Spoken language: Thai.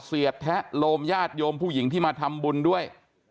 เสียแทะโลมญาติโยมผู้หญิงที่มาทำบุญด้วย